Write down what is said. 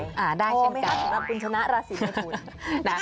พอไหมคะถึงรับบุญชนะราศีเมทุน